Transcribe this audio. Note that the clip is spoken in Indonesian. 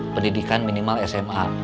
pendidikan minimal sma